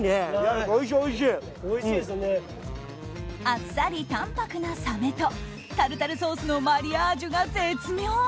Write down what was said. あっさり淡泊なサメとタルタルソースのマリアージュが絶妙！